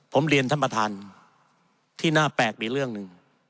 ผมเรียนท่านประธานที่น่าแปลกมีเรื่องหนึ่ง